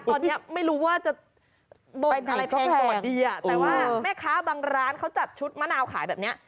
ตอนนี้ไม่รู้ว่าจะบนอะไรแพงก่อนดีอ่ะแต่ว่าแม่ค้าบางร้านเขาจัดชุดมะนาวขายแบบเนี้ย